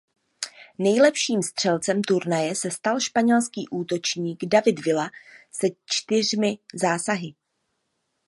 Nejlepším střelcem turnaje se stal španělský útočník David Villa se čtyřmi zásahy.